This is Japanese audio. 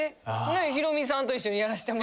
ヒロミさんと一緒にやらしてもらう。